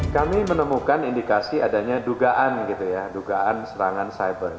kami menemukan indikasi adanya dugaan gitu ya dugaan serangan cyber